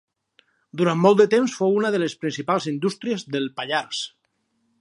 Durant molt de temps fou una de les principals indústries del Pallars.